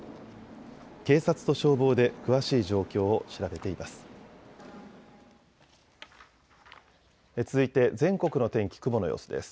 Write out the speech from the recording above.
警察と消防で詳しい状況を調べています。